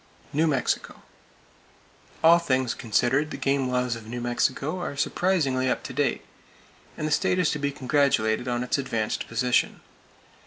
New Mexico: All things considered, the game laws of New Mexico are surprisingly up to date, and the state is to be congratulated on its advanced position.